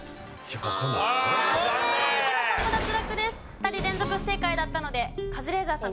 ２人連続不正解だったのでカズレーザーさん